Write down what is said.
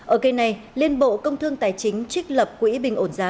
ở cây này liên bộ công thương tài chính trích lập quỹ bình ổn giá